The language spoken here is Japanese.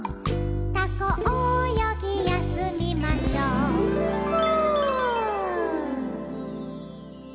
「タコおよぎやすみましょうフ」